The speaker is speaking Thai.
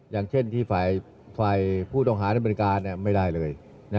อย่างเช่นที่ฝ่ายผู้ต้องหาในบริการไม่ได้เลย